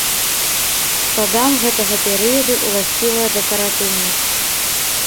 Садам гэтага перыяду ўласцівая дэкаратыўнасць.